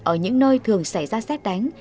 ở những nơi thường xảy ra xét đánh